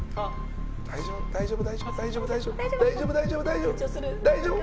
大丈夫、大丈夫。